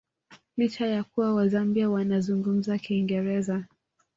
Licha ya kuwa Wazambia wanazungumza Kiingereza